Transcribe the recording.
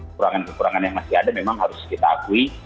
kurangan kurangan yang masih ada memang harus kita akui